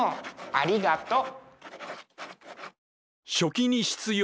ありがとう。